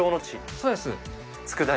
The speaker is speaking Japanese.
そうです。